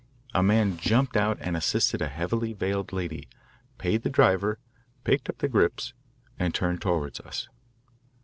A man jumped out and assisted a heavily veiled lady, paid the driver, picked up the grips, and turned toward us.